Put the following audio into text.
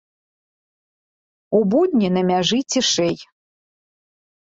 У будні на мяжы цішэй.